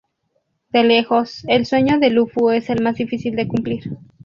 De lejos, el sueño de Luffy es el más difícil de cumplir.